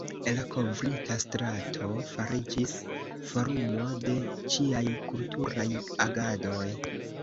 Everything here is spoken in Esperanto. La kovrita strato fariĝis forumo de ĉiaj kulturaj agadoj.